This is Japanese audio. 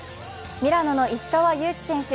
ミラノの石川祐希選手